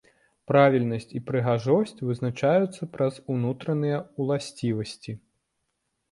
Правільнасць і прыгажосць вызначаюцца праз унутраныя ўласцівасці.